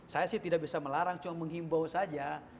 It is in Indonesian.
saya sih tidak bisa melarang cuma menghimbau saja